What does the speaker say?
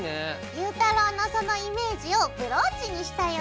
ゆうたろうのそのイメージをブローチにしたよ。